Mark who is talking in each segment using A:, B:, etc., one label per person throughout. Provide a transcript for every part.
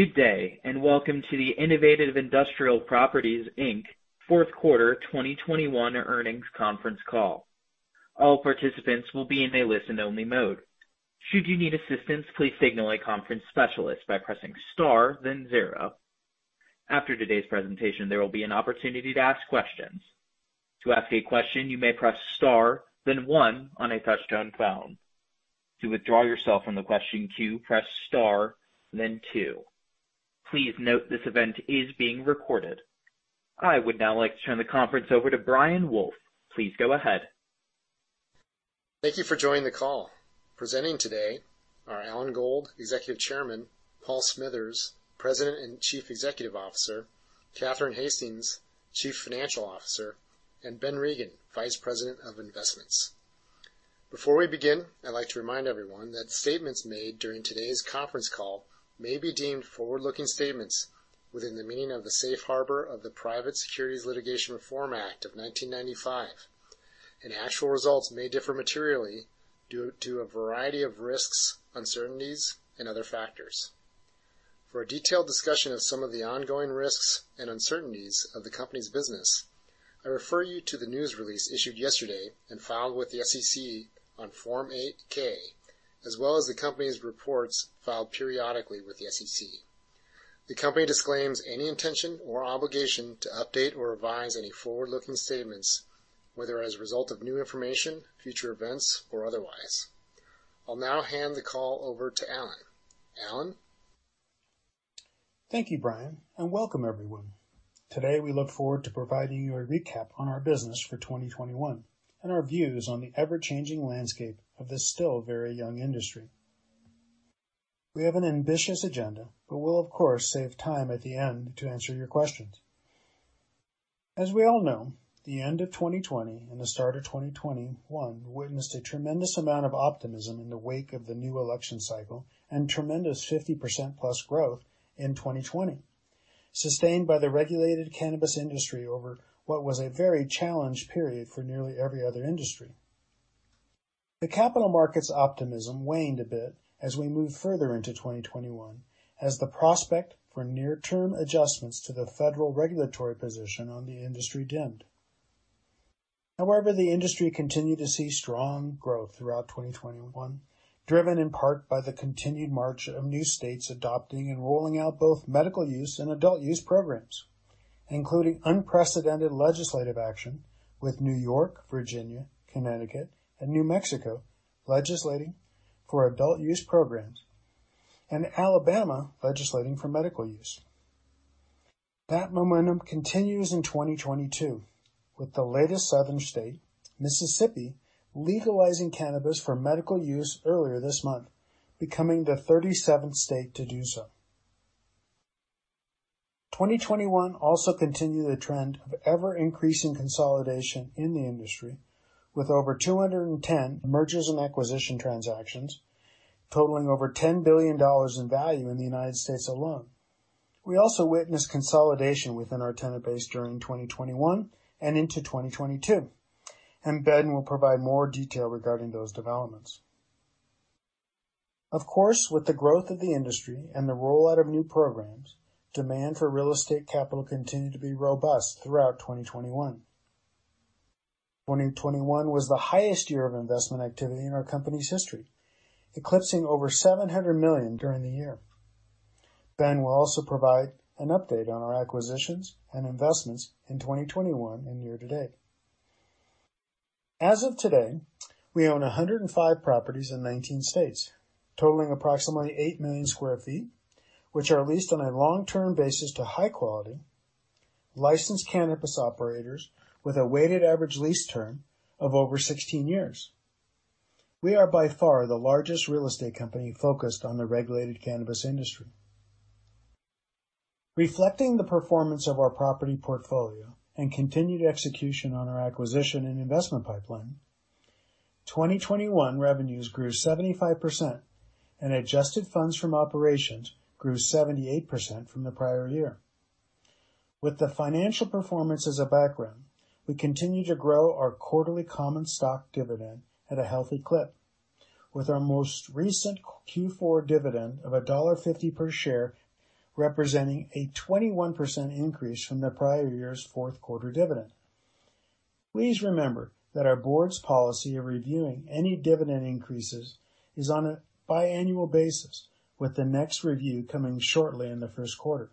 A: Good day, and welcome to the Innovative Industrial Properties, Inc. Fourth Quarter 2021 Earnings Conference Call. All participants will be in a listen-only mode. Should you need assistance, please signal a conference specialist by pressing star then zero. After today's presentation, there will be an opportunity to ask questions. To ask a question, you may press star then one on a touch-tone phone. To withdraw yourself from the question queue, press star then two. Please note this event is being recorded. I would now like to turn the conference over to Brian Wolfe. Please go ahead.
B: Thank you for joining the call. Presenting today are Alan Gold, Executive Chairman, Paul Smithers, President and Chief Executive Officer, Catherine Hastings, Chief Financial Officer, and Ben Regin, Vice President of Investments. Before we begin, I'd like to remind everyone that statements made during today's conference call may be deemed forward-looking statements within the meaning of the Safe Harbor of the Private Securities Litigation Reform Act of 1995, and actual results may differ materially due to a variety of risks, uncertainties, and other factors. For a detailed discussion of some of the ongoing risks and uncertainties of the company's business, I refer you to the news release issued yesterday and filed with the SEC on Form 8-K, as well as the company's reports filed periodically with the SEC. The company disclaims any intention or obligation to update or revise any forward-looking statements, whether as a result of new information, future events, or otherwise. I'll now hand the call over to Alan. Alan?
C: Thank you, Brian, and welcome everyone. Today, we look forward to providing you a recap on our business for 2021 and our views on the ever-changing landscape of this still very young industry. We have an ambitious agenda, but we'll of course save time at the end to answer your questions. As we all know, the end of 2020 and the start of 2021 witnessed a tremendous amount of optimism in the wake of the new election cycle and tremendous 50%+ growth in 2020, sustained by the regulated cannabis industry over what was a very challenged period for nearly every other industry. The capital markets optimism waned a bit as we moved further into 2021 as the prospect for near-term adjustments to the federal regulatory position on the industry dimmed. However, the industry continued to see strong growth throughout 2021, driven in part by the continued march of new states adopting and rolling out both medical use and adult use programs, including unprecedented legislative action with New York, Virginia, Connecticut, and New Mexico legislating for adult use programs, and Alabama legislating for medical use. That momentum continues in 2022, with the latest southern state, Mississippi, legalizing cannabis for medical use earlier this month, becoming the 37th state to do so. 2021 also continued the trend of ever-increasing consolidation in the industry with over 210 mergers and acquisitions transactions totaling over $10 billion in value in the United States alone. We also witnessed consolidation within our tenant base during 2021 and into 2022, and Ben will provide more detail regarding those developments. Of course, with the growth of the industry and the rollout of new programs, demand for real estate capital continued to be robust throughout 2021. 2021 was the highest year of investment activity in our company's history, eclipsing over $700 million during the year. Ben will also provide an update on our acquisitions and investments in 2021 and year to date. As of today, we own 105 properties in 19 states, totaling approximately 8 million sq ft, which are leased on a long-term basis to high quality licensed cannabis operators with a weighted average lease term of over 16 years. We are by far the largest real estate company focused on the regulated cannabis industry. Reflecting the performance of our property portfolio and continued execution on our acquisition and investment pipeline, 2021 revenues grew 75% and adjusted funds from operations grew 78% from the prior year. With the financial performance as a background, we continue to grow our quarterly common stock dividend at a healthy clip. With our most recent Q4 dividend of $1.50 per share, representing a 21% increase from the prior year's fourth quarter dividend. Please remember that our board's policy of reviewing any dividend increases is on a biannual basis, with the next review coming shortly in the first quarter.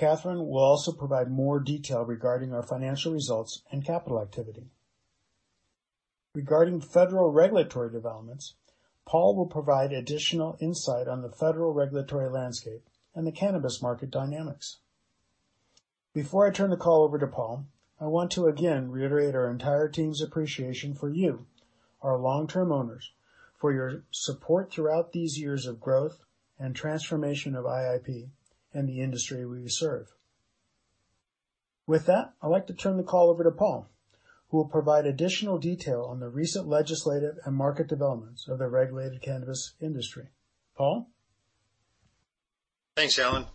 C: Catherine will also provide more detail regarding our financial results and capital activity. Regarding federal regulatory developments, Paul will provide additional insight on the federal regulatory landscape and the cannabis market dynamics. Before I turn the call over to Paul, I want to again reiterate our entire team's appreciation for you, our long-term owners, for your support throughout these years of growth and transformation of IIP and the industry we serve. With that, I'd like to turn the call over to Paul, who will provide additional detail on the recent legislative and market developments of the regulated cannabis industry. Paul?
D: Thanks, Alan.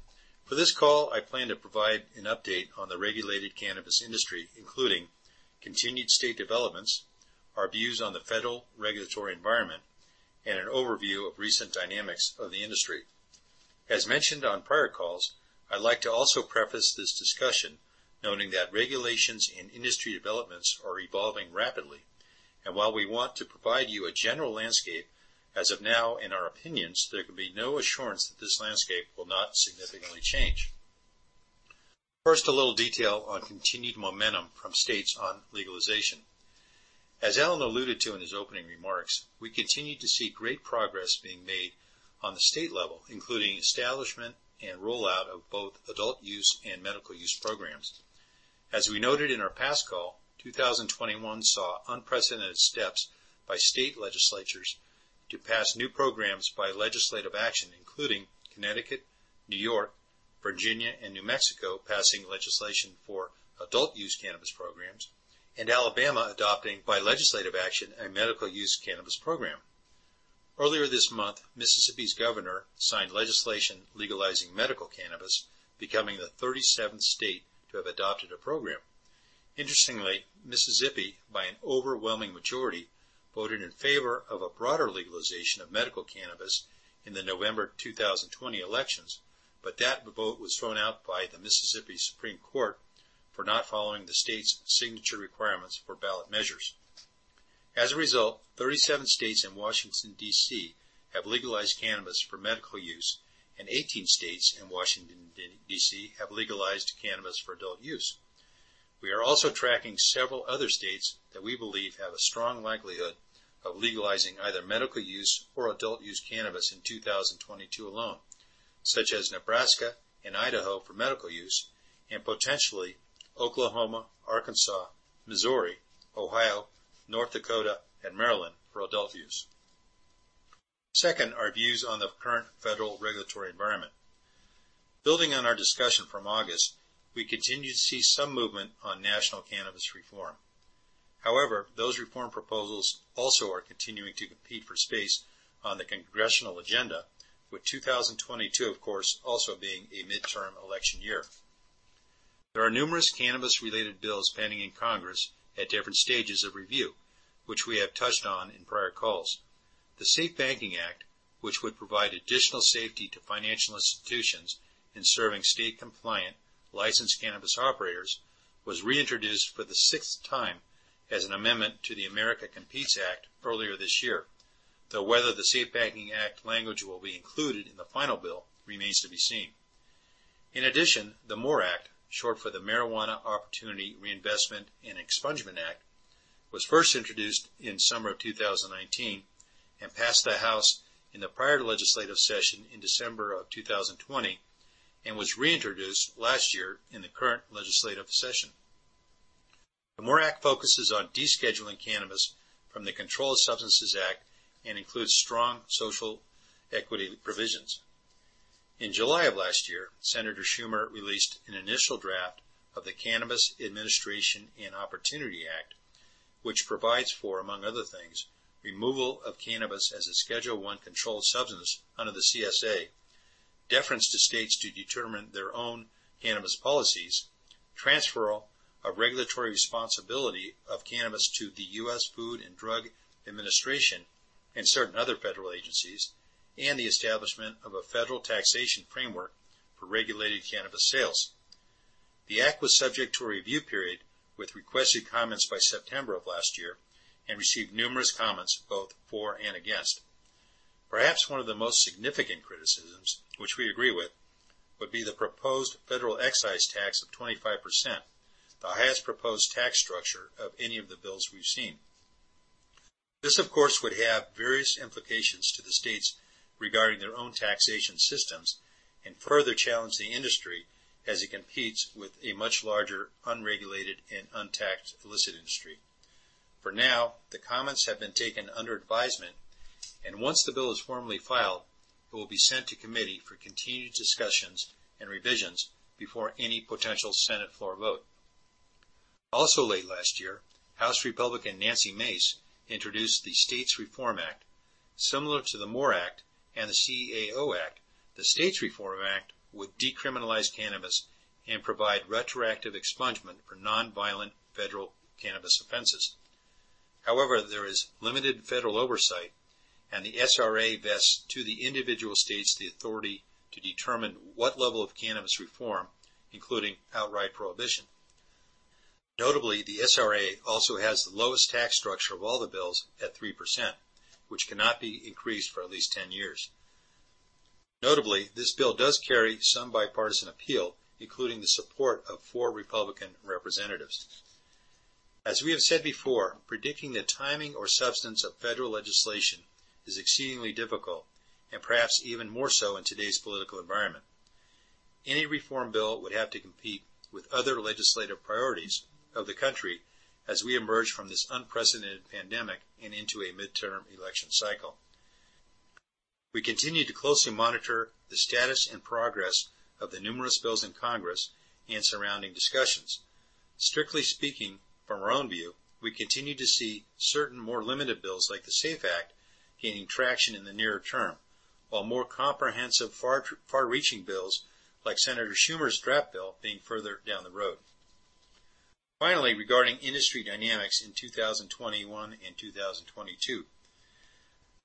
D: For this call, I plan to provide an update on the regulated cannabis industry, including continued state developments, our views on the federal regulatory environment, and an overview of recent dynamics of the industry. As mentioned on prior calls, I'd like to also preface this discussion noting that regulations and industry developments are evolving rapidly. While we want to provide you a general landscape, as of now, in our opinions, there can be no assurance that this landscape will not significantly change. First, a little detail on continued momentum from states on legalization. As Alan alluded to in his opening remarks, we continue to see great progress being made on the state level, including establishment and rollout of both adult-use and medical-use programs. As we noted in our past call, 2021 saw unprecedented steps by state legislatures to pass new programs by legislative action, including Connecticut, New York, Virginia, and New Mexico passing legislation for adult-use cannabis programs, and Alabama adopting by legislative action a medical-use cannabis program. Earlier this month, Mississippi's governor signed legislation legalizing medical cannabis, becoming the 37th state to have adopted a program. Interestingly, Mississippi, by an overwhelming majority, voted in favor of a broader legalization of medical cannabis in the November 2020 elections, but that vote was thrown out by the Mississippi Supreme Court for not following the state's signature requirements for ballot measures. As a result, 37 states and Washington, D.C. have legalized cannabis for medical use, and 18 states and Washington, D.C. have legalized cannabis for adult use. We are also tracking several other states that we believe have a strong likelihood of legalizing either medical-use or adult-use cannabis in 2022 alone, such as Nebraska and Idaho for medical use and potentially Oklahoma, Arkansas, Missouri, Ohio, North Dakota, and Maryland for adult use. Second, our views on the current federal regulatory environment. Building on our discussion from August, we continue to see some movement on national cannabis reform. However, those reform proposals also are continuing to compete for space on the congressional agenda, with 2022 of course, also being a midterm election year. There are numerous cannabis-related bills pending in Congress at different stages of review, which we have touched on in prior calls. The SAFE Banking Act, which would provide additional safety to financial institutions in serving state-compliant licensed cannabis operators, was reintroduced for the sixth time as an amendment to the America COMPETES Act earlier this year. Though whether the SAFE Banking Act language will be included in the final bill remains to be seen. In addition, the MORE Act, short for the Marijuana Opportunity Reinvestment and Expungement Act, was first introduced in summer of 2019 and passed the House in the prior legislative session in December of 2020 and was reintroduced last year in the current legislative session. The MORE Act focuses on descheduling cannabis from the Controlled Substances Act and includes strong social equity provisions. In July of last year, Senator Schumer released an initial draft of the Cannabis Administration and Opportunity Act, which provides for, among other things, removal of cannabis as a Schedule I controlled substance under the CSA, deference to states to determine their own cannabis policies, transferral of regulatory responsibility of cannabis to the US Food and Drug Administration and certain other federal agencies, and the establishment of a federal taxation framework for regulated cannabis sales. The act was subject to a review period with requested comments by September of last year and received numerous comments both for and against. Perhaps one of the most significant criticisms, which we agree with, would be the proposed federal excise tax of 25%, the highest proposed tax structure of any of the bills we've seen. This, of course, would have various implications to the states regarding their own taxation systems and further challenge the industry as it competes with a much larger unregulated and untaxed illicit industry. For now, the comments have been taken under advisement, and once the bill is formally filed, it will be sent to committee for continued discussions and revisions before any potential Senate floor vote. Late last year, House Republican Nancy Mace introduced the States Reform Act. Similar to the MORE Act and the CAO Act, the States Reform Act would decriminalize cannabis and provide retroactive expungement for non-violent federal cannabis offenses. However, there is limited federal oversight, and the SRA vests to the individual states the authority to determine what level of cannabis reform, including outright prohibition. Notably, the SRA also has the lowest tax structure of all the bills at 3%, which cannot be increased for at least 10 years. Notably, this bill does carry some bipartisan appeal, including the support of four Republican representatives. As we have said before, predicting the timing or substance of federal legislation is exceedingly difficult and perhaps even more so in today's political environment. Any reform bill would have to compete with other legislative priorities of the country as we emerge from this unprecedented pandemic and into a midterm election cycle. We continue to closely monitor the status and progress of the numerous bills in Congress and surrounding discussions. Strictly speaking, from our own view, we continue to see certain more limited bills like the SAFE Act gaining traction in the nearer term, while more comprehensive, far, far-reaching bills like Senator Schumer's draft bill being further down the road. Finally, regarding industry dynamics in 2021 and 2022.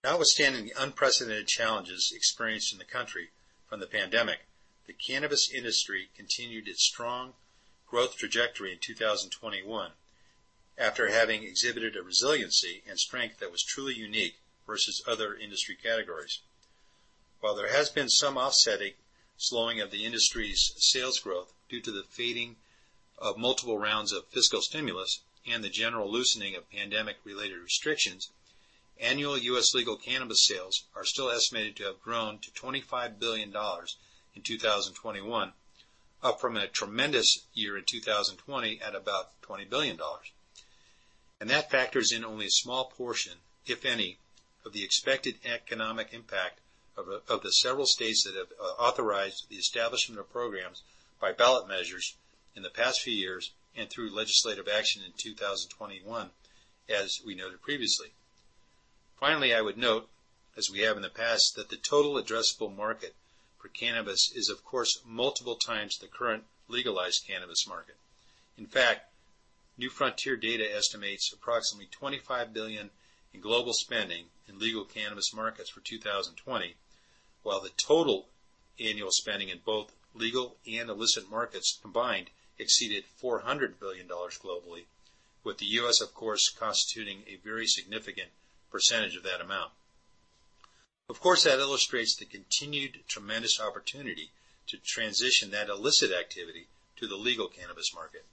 D: Notwithstanding the unprecedented challenges experienced in the country from the pandemic, the cannabis industry continued its strong growth trajectory in 2021 after having exhibited a resiliency and strength that was truly unique versus other industry categories. While there has been some offsetting slowing of the industry's sales growth due to the fading of multiple rounds of fiscal stimulus and the general loosening of pandemic-related restrictions, annual U.S. legal cannabis sales are still estimated to have grown to $25 billion in 2021, up from a tremendous year in 2020 at about $20 billion. That factors in only a small portion, if any, of the expected economic impact of the several states that have authorized the establishment of programs by ballot measures in the past few years and through legislative action in 2021, as we noted previously. Finally, I would note, as we have in the past, that the total addressable market for cannabis is of course multiple times the current legalized cannabis market. In fact, New Frontier Data estimates approximately $25 billion in global spending in legal cannabis markets for 2020, while the total annual spending in both legal and illicit markets combined exceeded $400 billion globally, with the U.S. of course constituting a very significant percentage of that amount. Of course, that illustrates the continued tremendous opportunity to transition that illicit activity to the legal cannabis market.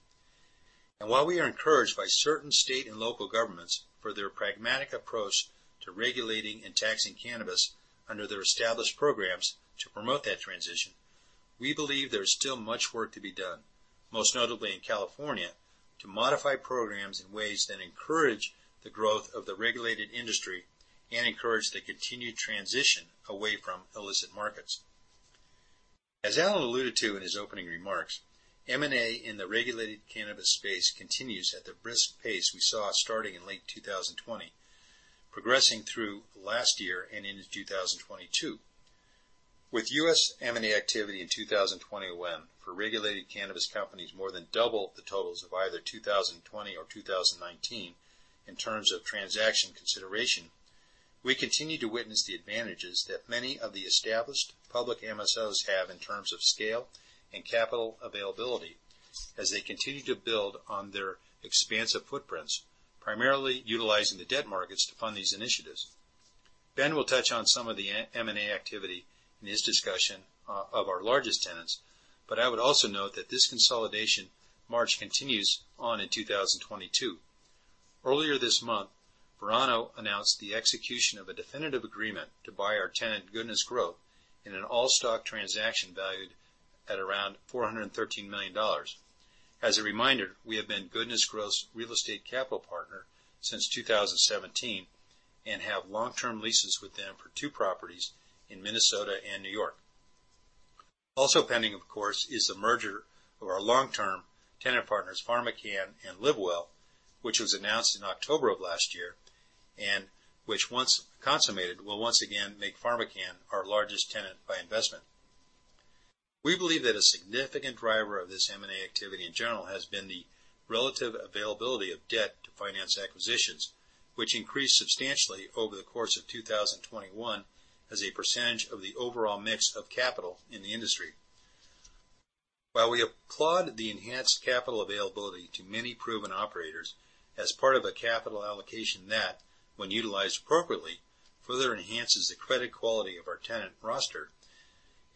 D: While we are encouraged by certain state and local governments for their pragmatic approach to regulating and taxing cannabis under their established programs to promote that transition, we believe there is still much work to be done, most notably in California, to modify programs in ways that encourage the growth of the regulated industry and encourage the continued transition away from illicit markets. As Alan alluded to in his opening remarks, M&A in the regulated cannabis space continues at the brisk pace we saw starting in late 2020, progressing through last year and into 2022. With U.S. M&A activity in 2021 for regulated cannabis companies more than double the totals of either 2020 or 2019 in terms of transaction consideration, we continue to witness the advantages that many of the established public MSOs have in terms of scale and capital availability as they continue to build on their expansive footprints, primarily utilizing the debt markets to fund these initiatives. Ben will touch on some of the M&A activity in his discussion of our largest tenants. I would also note that this consolidation march continues on in 2022. Earlier this month, Verano announced the execution of a definitive agreement to buy our tenant, Goodness Growth, in an all-stock transaction valued at around $413 million. As a reminder, we have been Goodness Growth's real estate capital partner since 2017 and have long-term leases with them for two properties in Minnesota and New York. Also pending, of course, is the merger of our long-term tenant partners, PharmaCann and LivWell, which was announced in October of last year, and which once consummated, will once again make PharmaCann our largest tenant by investment. We believe that a significant driver of this M&A activity in general has been the relative availability of debt to finance acquisitions, which increased substantially over the course of 2021 as a percentage of the overall mix of capital in the industry. While we applaud the enhanced capital availability to many proven operators as part of a capital allocation that, when utilized appropriately, further enhances the credit quality of our tenant roster.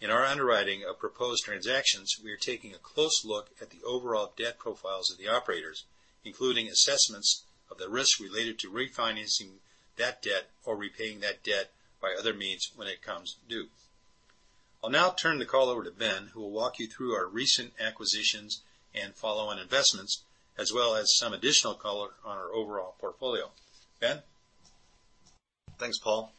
D: In our underwriting of proposed transactions, we are taking a close look at the overall debt profiles of the operators, including assessments of the risks related to refinancing that debt or repaying that debt by other means when it comes due. I'll now turn the call over to Ben, who will walk you through our recent acquisitions and follow-on investments, as well as some additional color on our overall portfolio. Ben?
E: Thanks, Paul.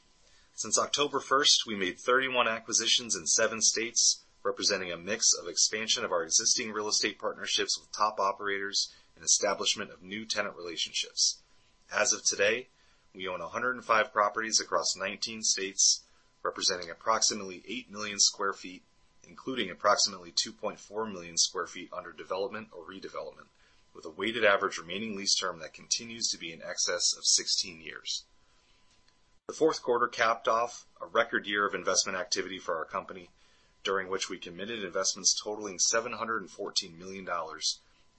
E: Since October 1, we made 31 acquisitions in seven states, representing a mix of expansion of our existing real estate partnerships with top operators and establishment of new tenant relationships. As of today, we own 105 properties across 19 states, representing approximately 8 million sq ft, including approximately 2.4 million sq ft under development or redevelopment, with a weighted average remaining lease term that continues to be in excess of 16 years. The fourth quarter capped off a record year of investment activity for our company, during which we committed investments totaling $714 million,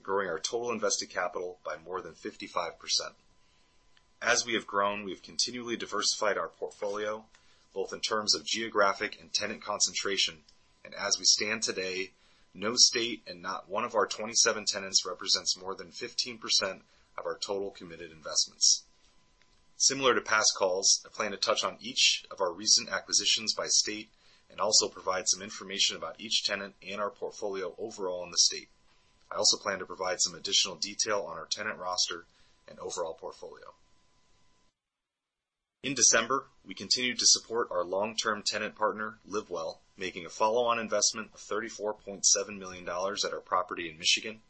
E: growing our total invested capital by more than 55%. As we have grown, we've continually diversified our portfolio, both in terms of geographic and tenant concentration. As we stand today, no state and not one of our 27 tenants represents more than 15% of our total committed investments. Similar to past calls, I plan to touch on each of our recent acquisitions by state and also provide some information about each tenant and our portfolio overall in the state. I also plan to provide some additional detail on our tenant roster and overall portfolio. In December, we continued to support our long-term tenant partner, LivWell, making a follow-on investment of $34.7 million at our property in Michigan,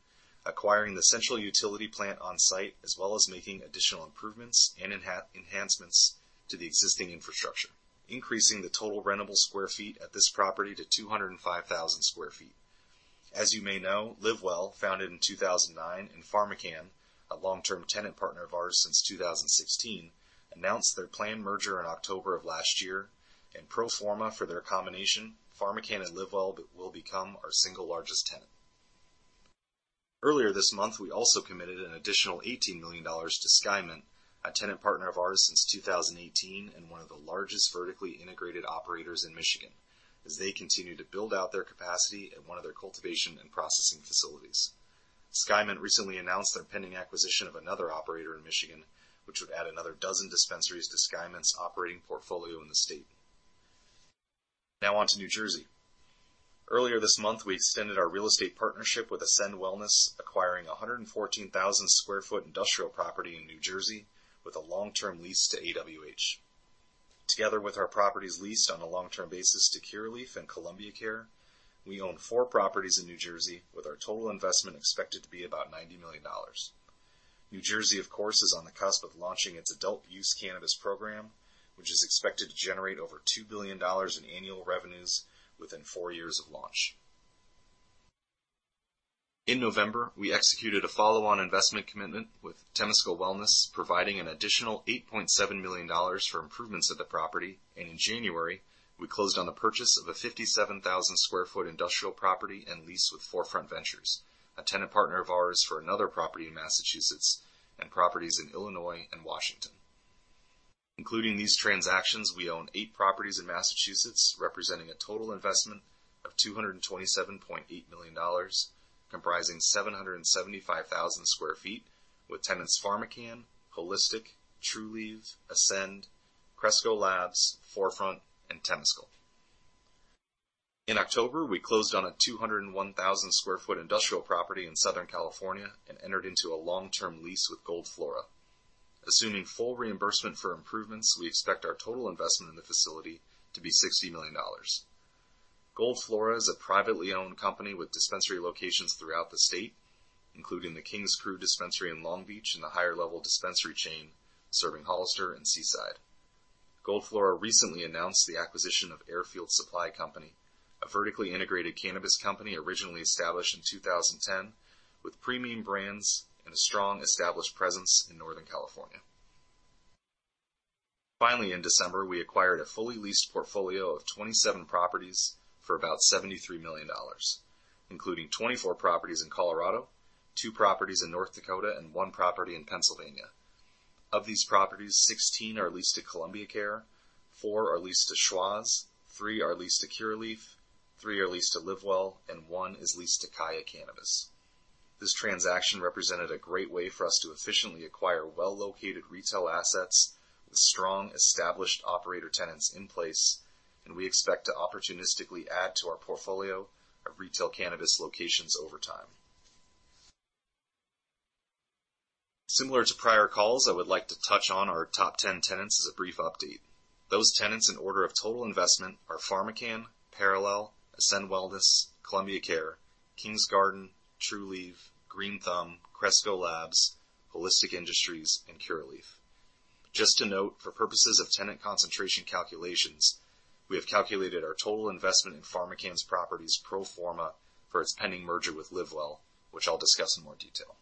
E: acquiring the central utility plant on-site, as well as making additional improvements and enhancements to the existing infrastructure, increasing the total rentable square feet at this property to 205,000 sq ft. As you may know, LivWell, founded in 2009, and PharmaCann, a long-term tenant partner of ours since 2016, announced their planned merger in October of last year, and pro forma for their combination, PharmaCann and LivWell will become our single largest tenant. Earlier this month, we also committed an additional $18 million to Skymint, a tenant partner of ours since 2018 and one of the largest vertically integrated operators in Michigan as they continue to build out their capacity at one of their cultivation and processing facilities. Skymint recently announced their pending acquisition of another operator in Michigan, which would add another dozen dispensaries to Skymint's operating portfolio in the state. Now on to New Jersey. Earlier this month, we extended our real estate partnership with Ascend Wellness, acquiring a 114,000 sq ft industrial property in New Jersey with a long-term lease to AWH. Together with our properties leased on a long-term basis to Curaleaf and Columbia Care, we own four properties in New Jersey, with our total investment expected to be about $90 million. New Jersey, of course, is on the cusp of launching its adult use cannabis program, which is expected to generate over $2 billion in annual revenues within four years of launch. In November, we executed a follow-on investment commitment with Temescal Wellness, providing an additional $8.7 million for improvements of the property. In January, we closed on the purchase of a 57,000 sq ft industrial property and lease with 4Front Ventures, a tenant partner of ours for another property in Massachusetts and properties in Illinois and Washington. Including these transactions, we own eight properties in Massachusetts, representing a total investment of $227.8 million, comprising 775,000 sq ft with tenants PharmaCann, Holistic, Trulieve, Ascend, Cresco Labs, 4Front, and Temescal. In October, we closed on a 201,000 sq ft industrial property in Southern California and entered into a long-term lease with Gold Flora. Assuming full reimbursement for improvements, we expect our total investment in the facility to be $60 million. Gold Flora is a privately owned company with dispensary locations throughout the state, including the King's Crew dispensary in Long Beach and the Higher Level dispensary chain serving Hollister and Seaside. Gold Flora recently announced the acquisition of Airfield Supply Company, a vertically integrated cannabis company originally established in 2010 with premium brands and a strong established presence in Northern California. Finally, in December, we acquired a fully leased portfolio of 27 properties for about $73 million, including 24 properties in Colorado, two properties in North Dakota, and 1 property in Pennsylvania. Of these properties, 16 are leased to Columbia Care, four are leased to Schwazze, three are leased to Curaleaf, three are leased to LivWell, and one is leased to Kaya Cannabis. This transaction represented a great way for us to efficiently acquire well-located retail assets with strong established operator tenants in place, and we expect to opportunistically add to our portfolio of retail cannabis locations over time. Similar to prior calls, I would like to touch on our top 10 tenants as a brief update. Those tenants in order of total investment are PharmaCann, Parallel, Ascend Wellness, Columbia Care, Kings Garden, Trulieve, Green Thumb, Cresco Labs, Holistic Industries, and Curaleaf. Just to note, for purposes of tenant concentration calculations, we have calculated our total investment in PharmaCann's properties pro forma for its pending merger with LivWell, which I'll discuss in more detail.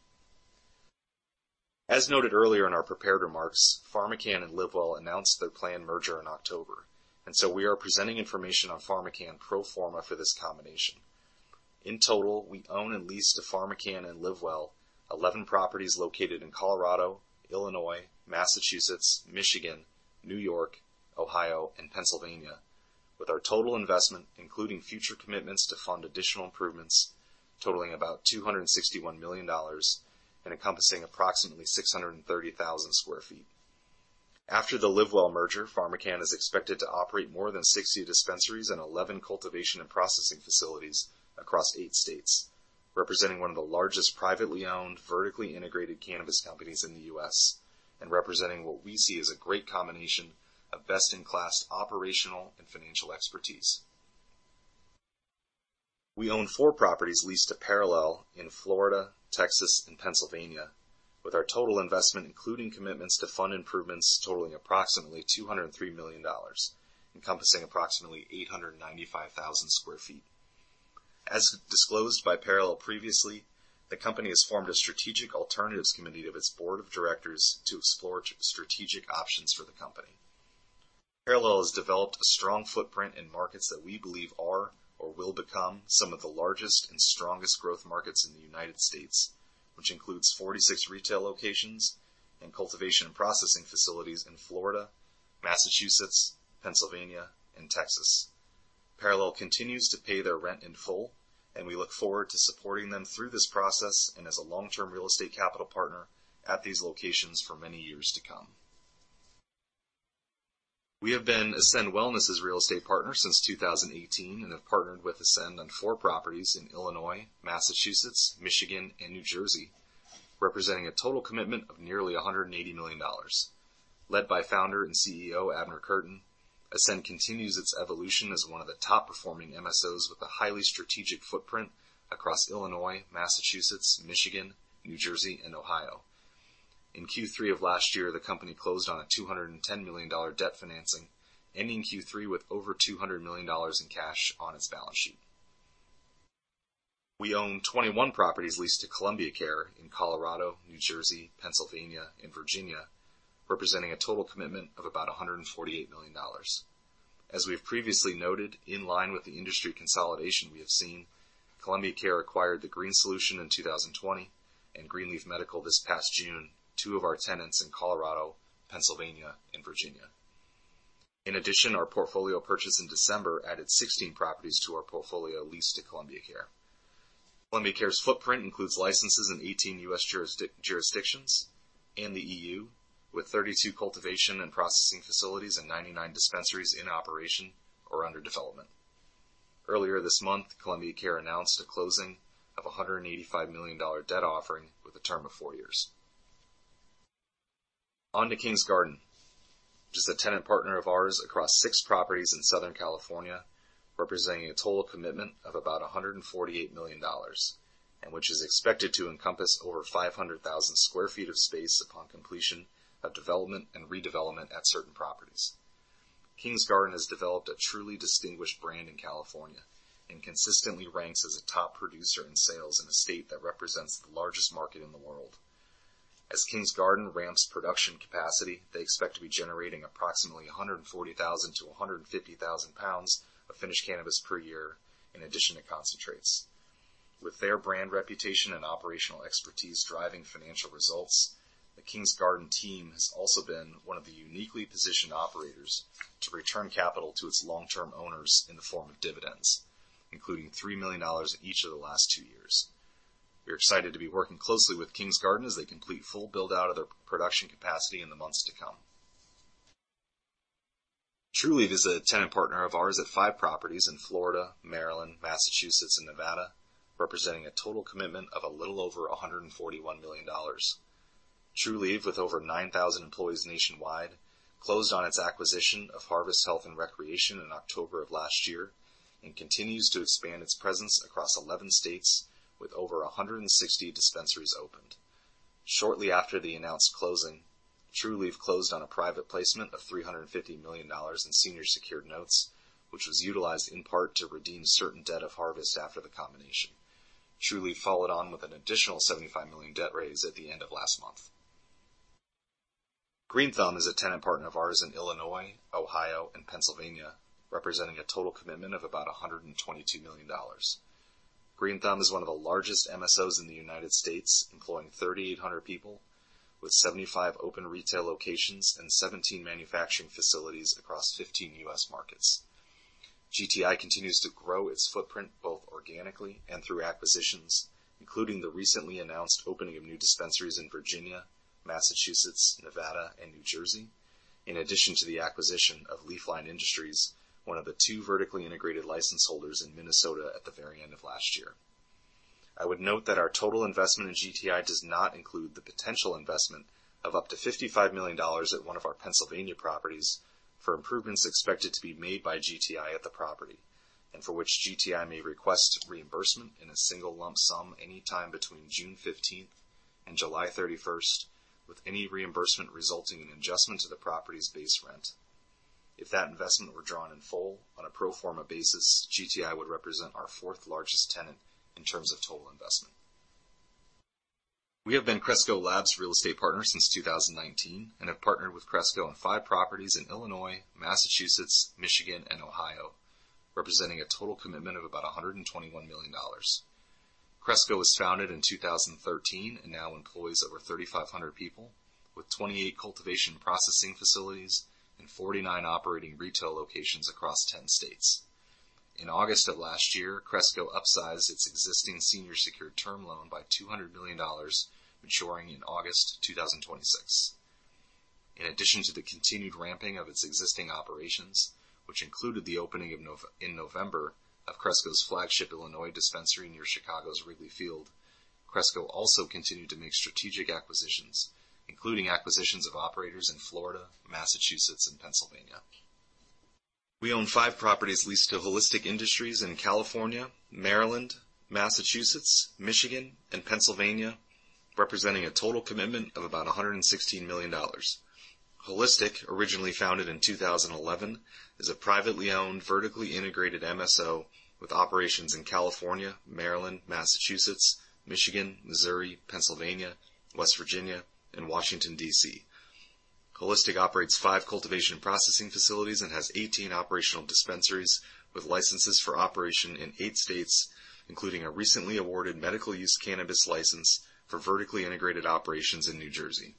E: As noted earlier in our prepared remarks, PharmaCann and LivWell announced their planned merger in October, and so we are presenting information on PharmaCann pro forma for this combination. In total, we own and lease to PharmaCann and LivWell 11 properties located in Colorado, Illinois, Massachusetts, Michigan, New York, Ohio, and Pennsylvania, with our total investment, including future commitments to fund additional improvements totaling about $261 million and encompassing approximately 630,000 sq ft. After the LivWell merger, PharmaCann is expected to operate more than 60 dispensaries and 11 cultivation and processing facilities across eight states, representing one of the largest privately owned, vertically integrated cannabis companies in the U.S. and representing what we see as a great combination of best-in-class operational and financial expertise. We own four properties leased to Parallel in Florida, Texas, and Pennsylvania, with our total investment, including commitments to fund improvements totaling approximately $203 million, encompassing approximately 895,000 sq ft. As disclosed by Parallel previously, the company has formed a strategic alternatives committee of its board of directors to explore strategic options for the company. Parallel has developed a strong footprint in markets that we believe are or will become some of the largest and strongest growth markets in the United States, which includes 46 retail locations and cultivation and processing facilities in Florida, Massachusetts, Pennsylvania, and Texas. Parallel continues to pay their rent in full, and we look forward to supporting them through this process and as a long-term real estate capital partner at these locations for many years to come. We have been Ascend Wellness's real estate partner since 2018 and have partnered with Ascend on four properties in Illinois, Massachusetts, Michigan, and New Jersey, representing a total commitment of nearly $180 million. Led by Founder and CEO Abner Kurtin, Ascend continues its evolution as one of the top-performing MSOs with a highly strategic footprint across Illinois, Massachusetts, Michigan, New Jersey, and Ohio. In Q3 of last year, the company closed on a $210 million debt financing, ending Q3 with over $200 million in cash on its balance sheet. We own 21 properties leased to Columbia Care in Colorado, New Jersey, Pennsylvania, and Virginia, representing a total commitment of about $148 million. As we have previously noted, in line with the industry consolidation we have seen, Columbia Care acquired The Green Solution in 2020 and Green Leaf Medical this past June, two of our tenants in Colorado, Pennsylvania, and Virginia. In addition, our portfolio purchase in December added 16 properties to our portfolio leased to Columbia Care. Columbia Care's footprint includes licenses in 18 U.S. jurisdictions and the EU, with 32 cultivation and processing facilities and 99 dispensaries in operation or under development. Earlier this month, Columbia Care announced a closing of a $185 million debt offering with a term of four years. On to Kings Garden, which is a tenant partner of ours across 6 properties in Southern California, representing a total commitment of about a $148 million, and which is expected to encompass over 500,000 sq ft of space upon completion of development and redevelopment at certain properties. Kings Garden has developed a truly distinguished brand in California and consistently ranks as a top producer in sales in a state that represents the largest market in the world. As Kings Garden ramps production capacity, they expect to be generating approximately 140,000-150,000 pounds of finished cannabis per year in addition to concentrates. With their brand reputation and operational expertise driving financial results, the Kings Garden team has also been one of the uniquely positioned operators to return capital to its long-term owners in the form of dividends, including $3 million in each of the last two years. We are excited to be working closely with Kings Garden as they complete full build-out of their production capacity in the months to come. Trulieve is a tenant partner of ours at five properties in Florida, Maryland, Massachusetts, and Nevada, representing a total commitment of a little over $141 million. Trulieve, with over 9,000 employees nationwide, closed on its acquisition of Harvest Health and Recreation in October of last year and continues to expand its presence across 11 states with over 160 dispensaries opened. Shortly after the announced closing, Trulieve closed on a private placement of $350 million in senior secured notes, which was utilized in part to redeem certain debt of Harvest after the combination. Trulieve followed on with an additional $75 million debt raise at the end of last month. Green Thumb is a tenant partner of ours in Illinois, Ohio, and Pennsylvania, representing a total commitment of about $122 million. Green Thumb is one of the largest MSOs in the United States, employing 3,800 people with 75 open retail locations and 17 manufacturing facilities across 15 U.S. markets. GTI continues to grow its footprint both organically and through acquisitions, including the recently announced opening of new dispensaries in Virginia, Massachusetts, Nevada, and New Jersey, in addition to the acquisition of LeafLine Industries, one of the two vertically integrated license holders in Minnesota at the very end of last year. I would note that our total investment in GTI does not include the potential investment of up to $55 million at one of our Pennsylvania properties for improvements expected to be made by GTI at the property, and for which GTI may request reimbursement in a single lump sum anytime between June 15th and July 31st, with any reimbursement resulting in an adjustment to the property's base rent. If that investment were drawn in full on a pro forma basis, GTI would represent our fourth largest tenant in terms of total investment. We have been Cresco Labs real estate partner since 2019 and have partnered with Cresco on five properties in Illinois, Massachusetts, Michigan, and Ohio, representing a total commitment of about $121 million. Cresco was founded in 2013 and now employs over 3,500 people with 28 cultivation processing facilities and 49 operating retail locations across 10 states. In August of last year, Cresco upsized its existing senior secured term loan by $200 million, maturing in August 2026. In addition to the continued ramping of its existing operations, which included the opening in November of Cresco's flagship Illinois dispensary near Chicago's Wrigley Field, Cresco also continued to make strategic acquisitions, including acquisitions of operators in Florida, Massachusetts, and Pennsylvania. We own five properties leased to Holistic Industries in California, Maryland, Massachusetts, Michigan, and Pennsylvania, representing a total commitment of about $116 million. Holistic, originally founded in 2011, is a privately owned, vertically integrated MSO with operations in California, Maryland, Massachusetts, Michigan, Missouri, Pennsylvania, West Virginia, and Washington, D.C. Holistic operates five cultivation processing facilities and has 18 operational dispensaries with licenses for operation in eight states, including a recently awarded medical use cannabis license for vertically integrated operations in New Jersey.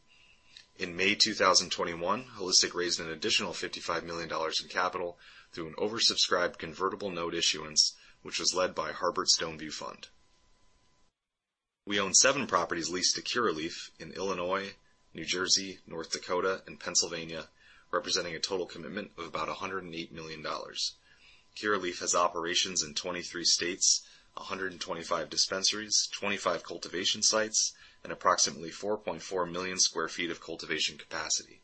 E: In May 2021, Holistic raised an additional $55 million in capital through an oversubscribed convertible note issuance, which was led by Harbert Stoneview Fund. We own seven properties leased to Curaleaf in Illinois, New Jersey, North Dakota, and Pennsylvania, representing a total commitment of about $108 million. Curaleaf has operations in 23 states, 125 dispensaries, 25 cultivation sites, and approximately 4.4 million sq ft of cultivation capacity.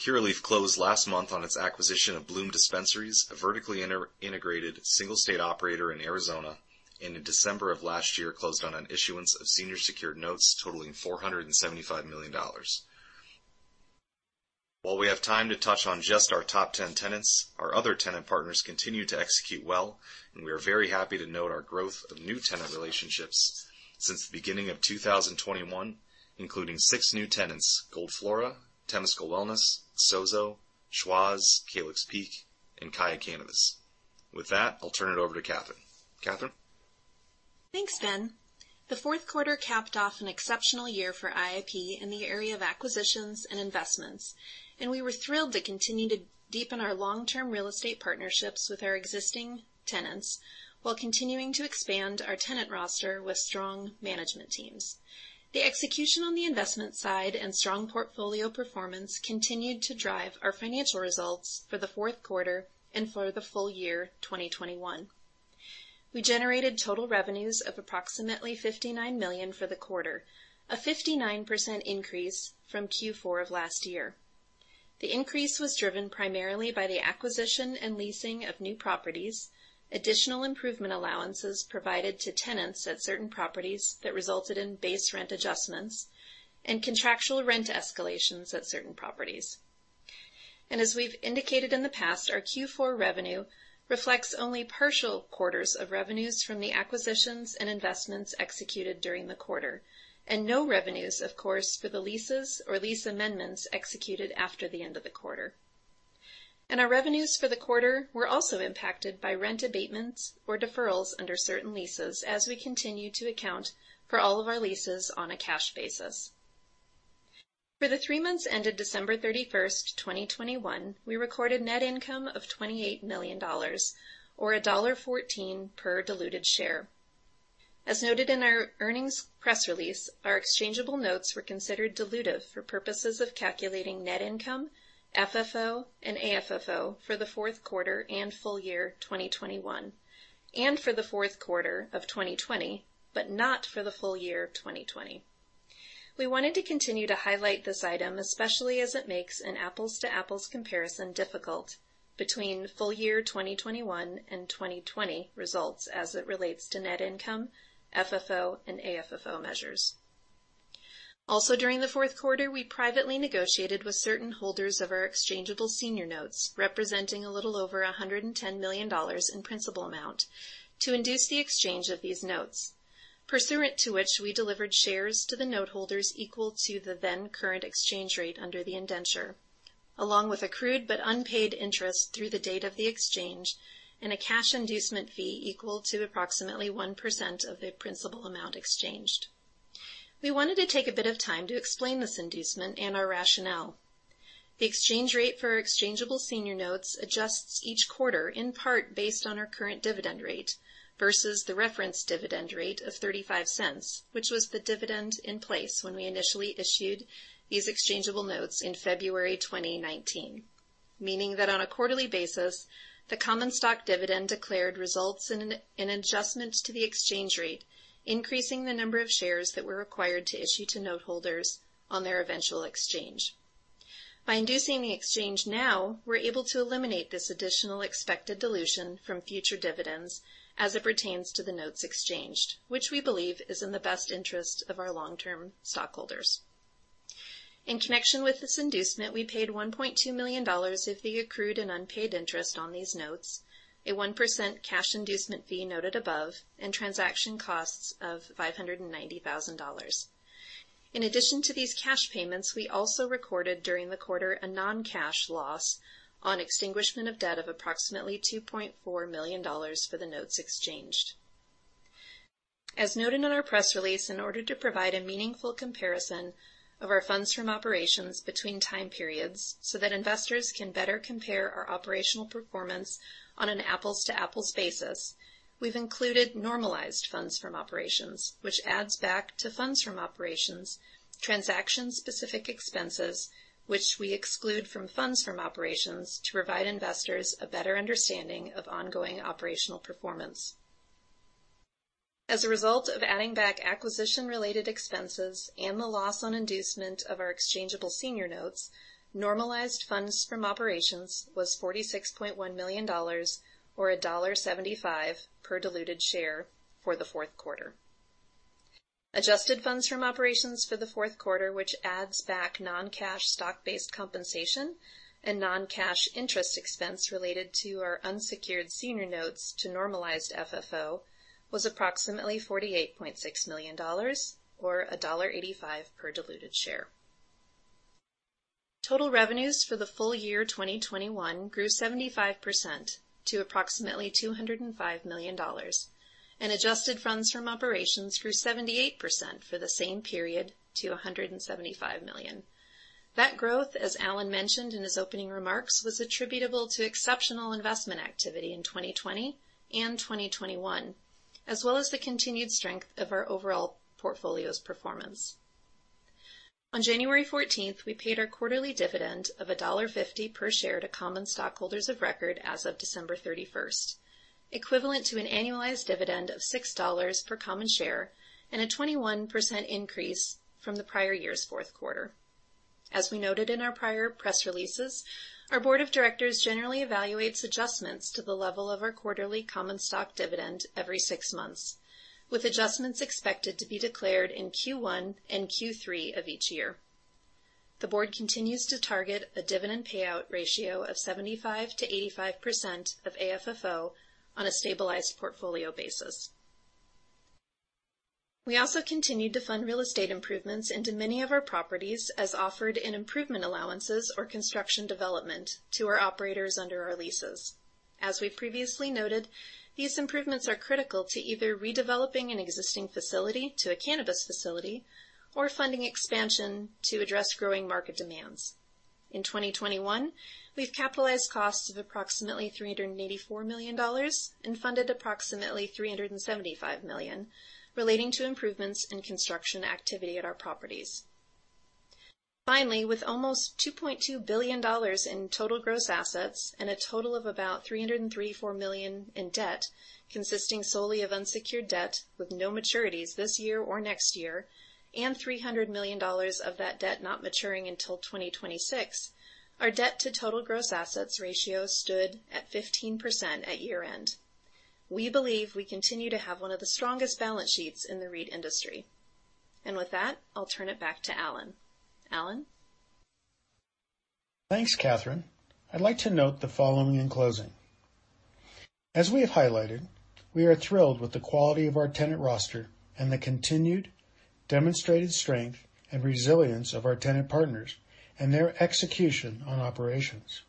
E: Curaleaf closed last month on its acquisition of Bloom Dispensaries, a vertically integrated single state operator in Arizona, and in December of last year, closed on an issuance of senior secured notes totaling $475 million. While we have time to touch on just our top ten tenants, our other tenant partners continue to execute well, and we are very happy to note our growth of new tenant relationships since the beginning of 2021, including six new tenants, Gold Flora, Temescal Wellness, Sozo, Schwazze, Calyx Peak, and Kaya Cannabis. With that, I'll turn it over to Catherine. Catherine?
F: Thanks, Ben. The fourth quarter capped off an exceptional year for IIP in the area of acquisitions and investments, and we were thrilled to continue to deepen our long-term real estate partnerships with our existing tenants while continuing to expand our tenant roster with strong management teams. The execution on the investment side and strong portfolio performance continued to drive our financial results for the fourth quarter and for the full year, 2021. We generated total revenues of approximately $59 million for the quarter, a 59% increase from Q4 of last year. The increase was driven primarily by the acquisition and leasing of new properties, additional improvement allowances provided to tenants at certain properties that resulted in base rent adjustments, and contractual rent escalations at certain properties. As we've indicated in the past, our Q4 revenue reflects only partial quarters of revenues from the acquisitions and investments executed during the quarter, and no revenues, of course, for the leases or lease amendments executed after the end of the quarter. Our revenues for the quarter were also impacted by rent abatements or deferrals under certain leases as we continue to account for all of our leases on a cash basis. For the three months ended December 31, 2021, we recorded net income of $28 million or $1.14 per diluted share. As noted in our earnings press release, our exchangeable notes were considered dilutive for purposes of calculating net income, FFO, and AFFO for the fourth quarter and full year 2021, and for the fourth quarter of 2020, but not for the full year of 2020. We wanted to continue to highlight this item, especially as it makes an apples to apples comparison difficult between full year 2021 and 2020 results as it relates to net income, FFO, and AFFO measures. Also, during the fourth quarter, we privately negotiated with certain holders of our exchangeable senior notes, representing a little over $110 million in principal amount to induce the exchange of these notes. Pursuant to which, we delivered shares to the note holders equal to the then current exchange rate under the indenture, along with accrued but unpaid interest through the date of the exchange and a cash inducement fee equal to approximately 1% of the principal amount exchanged. We wanted to take a bit of time to explain this inducement and our rationale. The exchange rate for our exchangeable senior notes adjusts each quarter in part based on our current dividend rate versus the reference dividend rate of $0.35, which was the dividend in place when we initially issued these exchangeable notes in February 2019. Meaning that on a quarterly basis, the common stock dividend declared results in an adjustment to the exchange rate, increasing the number of shares that were required to issue to note holders on their eventual exchange. By inducing the exchange now, we're able to eliminate this additional expected dilution from future dividends as it pertains to the notes exchanged, which we believe is in the best interest of our long-term stockholders. In connection with this inducement, we paid $1.2 million of the accrued and unpaid interest on these notes, a 1% cash inducement fee noted above, and transaction costs of $590,000. In addition to these cash payments, we also recorded during the quarter a non-cash loss on extinguishment of debt of approximately $2.4 million for the notes exchanged. As noted in our press release, in order to provide a meaningful comparison of our funds from operations between time periods so that investors can better compare our operational performance on an apples to apples basis, we've included normalized funds from operations, which adds back to funds from operations, transaction-specific expenses, which we exclude from funds from operations to provide investors a better understanding of ongoing operational performance. As a result of adding back acquisition-related expenses and the loss on inducement of our exchangeable senior notes, normalized Funds from Operations was $46.1 million or $1.75 per diluted share for the fourth quarter. Adjusted Funds from Operations for the fourth quarter, which adds back non-cash stock-based compensation and non-cash interest expense related to our unsecured senior notes to normalized FFO, was approximately $48.6 million or $1.85 per diluted share. Total revenues for the full year 2021 grew 75% to approximately $205 million. Adjusted Funds from Operations grew 78% for the same period to $175 million. That growth, as Alan mentioned in his opening remarks, was attributable to exceptional investment activity in 2020 and 2021, as well as the continued strength of our overall portfolio's performance. On January 14, we paid our quarterly dividend of $1.50 per share to common stockholders of record as of December 31, equivalent to an annualized dividend of $6 per common share and a 21% increase from the prior year's fourth quarter. As we noted in our prior press releases, our board of directors generally evaluates adjustments to the level of our quarterly common stock dividend every six months, with adjustments expected to be declared in Q1 and Q3 of each year. The board continues to target a dividend payout ratio of 75%-85% of AFFO on a stabilized portfolio basis. We also continued to fund real estate improvements into many of our properties as offered in improvement allowances or construction development to our operators under our leases. As we previously noted, these improvements are critical to either redeveloping an existing facility to a cannabis facility or funding expansion to address growing market demands. In 2021, we've capitalized costs of approximately $384 million and funded approximately $375 million relating to improvements in construction activity at our properties. Finally, with almost $2.2 billion in total gross assets and a total of about $334 million in debt, consisting solely of unsecured debt with no maturities this year or next year, and $300 million of that debt not maturing until 2026, our debt to total gross assets ratio stood at 15% at year-end. We believe we continue to have one of the strongest balance sheets in the REIT industry. With that, I'll turn it back to Alan. Alan?
C: Thanks, Catherine. I'd like to note the following in closing. As we have highlighted, we are thrilled with the quality of our tenant roster and the continued demonstrated strength and resilience of our tenant partners and their execution on operations.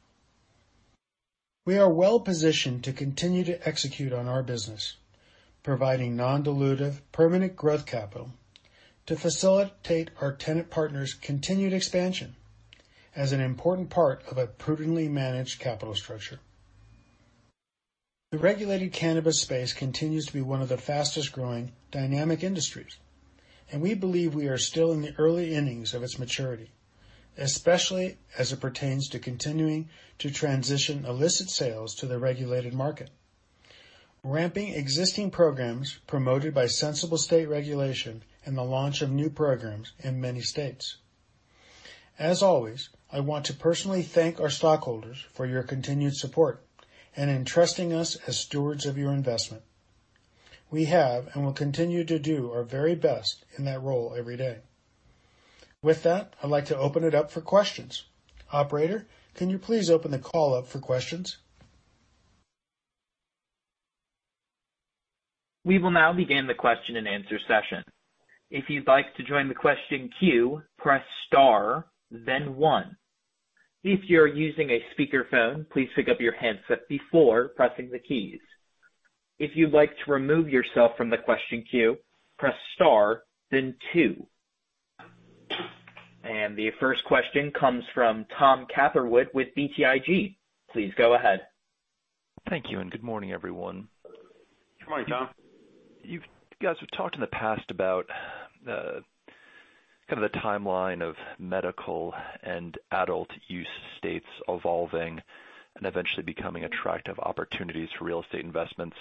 C: We are well-positioned to continue to execute on our business, providing non-dilutive permanent growth capital to facilitate our tenant partners' continued expansion as an important part of a prudently managed capital structure. The regulated cannabis space continues to be one of the fastest-growing dynamic industries, and we believe we are still in the early innings of its maturity, especially as it pertains to continuing to transition illicit sales to the regulated market, ramping existing programs promoted by sensible state regulation and the launch of new programs in many states. As always, I want to personally thank our stockholders for your continued support and in trusting us as stewards of your investment. We have and will continue to do our very best in that role every day. With that, I'd like to open it up for questions. Operator, can you please open the call up for questions?
A: We will now begin the question-and-answer session. If you'd like to join the question queue, press star then one. If you're using a speakerphone, please pick up your handset before pressing the keys. If you'd like to remove yourself from the question queue, press star then two. The first question comes from Tom Catherwood with BTIG. Please go ahead.
G: Thank you and good morning, everyone.
C: Good morning, Tom.
G: You guys have talked in the past about kind of the timeline of medical and adult use states evolving and eventually becoming attractive opportunities for real estate investments.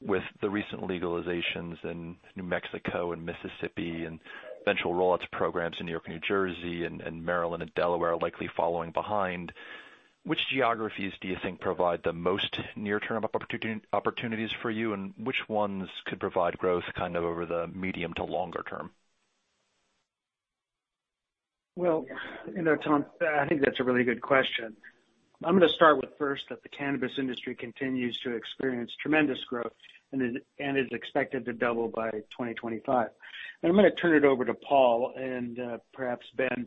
G: With the recent legalizations in New Mexico and Mississippi and eventual rollouts programs in New York, New Jersey, Maryland, and Delaware likely following behind, which geographies do you think provide the most near-term opportunities for you, and which ones could provide growth kind of over the medium to longer term?
C: Well, you know, Tom, I think that's a really good question. I'm gonna start with first that the cannabis industry continues to experience tremendous growth and is expected to double by 2025. I'm gonna turn it over to Paul and perhaps Ben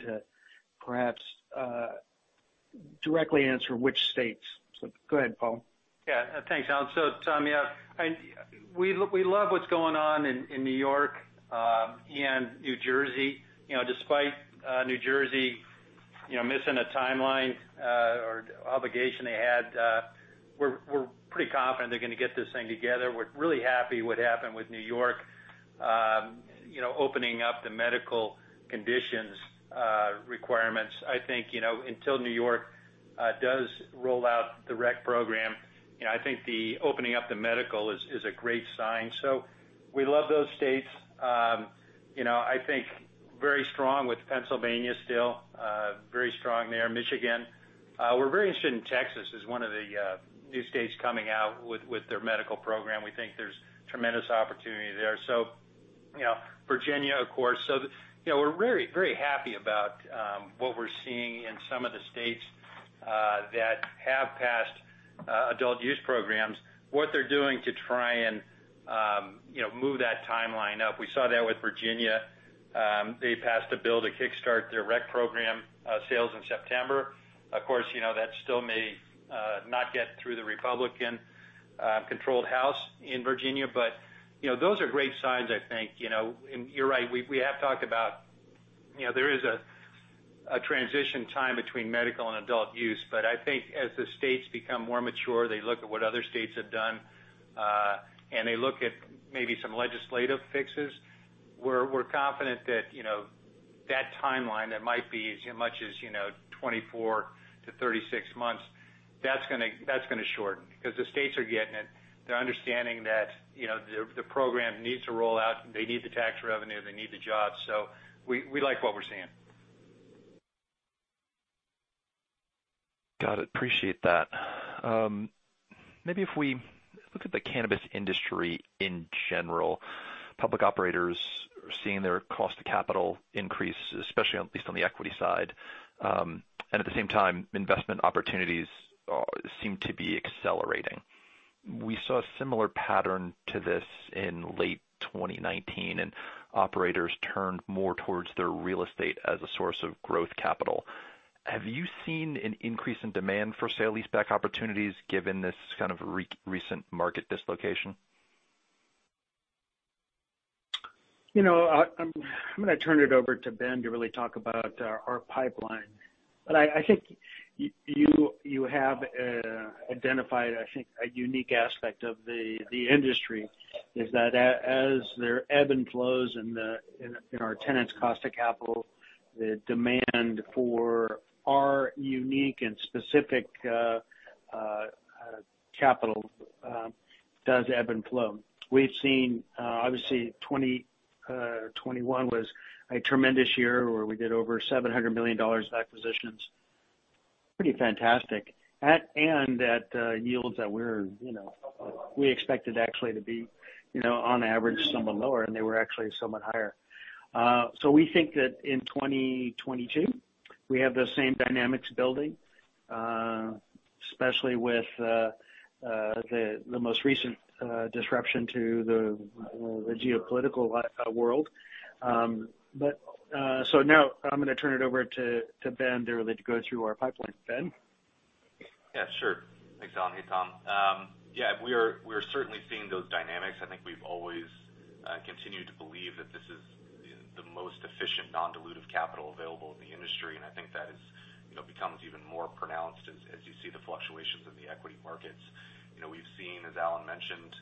C: to directly answer which states. Go ahead, Paul.
D: Thanks, Alan. Tom, we love what's going on in New York and New Jersey. You know, despite New Jersey missing a timeline or obligation they had, we're pretty confident they're gonna get this thing together. We're really happy what happened with New York, you know, opening up the medical conditions requirements. I think, you know, until New York does roll out the rec program, you know, I think the opening up the medical is a great sign. We love those states. You know, I think very strong with Pennsylvania still, very strong there. Michigan. We're very interested in Texas as one of the new states coming out with their medical program. We think there's tremendous opportunity there. You know, Virginia, of course. You know, we're very, very happy about what we're seeing in some of the states that have passed adult use programs, what they're doing to try and, you know, move that timeline up. We saw that with Virginia. They passed a bill to kickstart their rec program sales in September. Of course, you know, that still may not get through the Republican controlled house in Virginia, but, you know, those are great signs, I think. You know, and you're right, we have talked about, you know, there is a transition time between medical and adult use. I think as the states become more mature, they look at what other states have done, and they look at maybe some legislative fixes. We're confident that, you know, that timeline that might be as much as, you know, 24-36 months, that's gonna shorten. Because the states are getting it. They're understanding that, you know, the program needs to roll out. They need the tax revenue, they need the jobs. We like what we're seeing.
G: Got it. Appreciate that. Maybe if we look at the cannabis industry in general, public operators are seeing their cost of capital increase, especially at least on the equity side. At the same time, investment opportunities seem to be accelerating. We saw a similar pattern to this in late 2019, and operators turned more towards their real estate as a source of growth capital. Have you seen an increase in demand for sale-leaseback opportunities given this kind of recent market dislocation?
C: You know, I'm gonna turn it over to Ben to really talk about our pipeline. I think you have identified, I think, a unique aspect of the industry is that as there ebb and flows in our tenants' cost of capital, the demand for our unique and specific capital does ebb and flow. We've seen obviously 2021 was a tremendous year where we did over $700 million of acquisitions. Pretty fantastic. At yields that we expected actually to be on average somewhat lower, and they were actually somewhat higher. So we think that in 2022, we have the same dynamics building, especially with the most recent disruption to the geopolitical world. now I'm gonna turn it over to Ben to really go through our pipeline. Ben?
E: Yeah, sure. Thanks, Alan. Hey, Tom. Yeah, we are certainly seeing those dynamics. I think we've always continued to believe that this is the most efficient non-dilutive capital available in the industry, and I think that, you know, becomes even more pronounced as you see the fluctuations in the equity markets. You know, we've seen, as Alan mentioned,